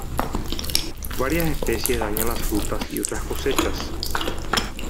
Varias especies dañan las frutas y otras cosechas.